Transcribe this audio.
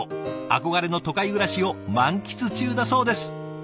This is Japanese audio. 憧れの都会暮らしを満喫中だそうです。